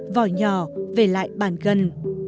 vò nhỏ về lại bàn gần